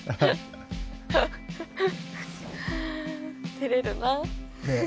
照れるなあ。